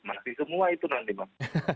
masih semua itu nanti pak